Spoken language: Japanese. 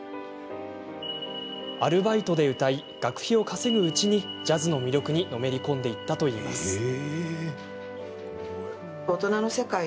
アルバイトで歌い学費を稼ぐうちにジャズの魅力にのめり込んでいったといいます。